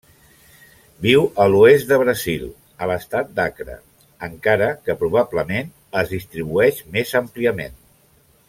Viu a l'oest de Brasil, a l'estat d'Acre, encara que probablement es distribueix més àmpliament.